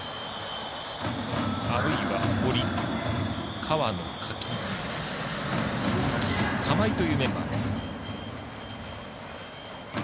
あるいは堀、河野柿木、鈴木、玉井というメンバーです。